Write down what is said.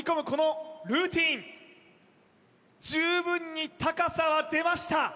このルーティン十分に高さは出ました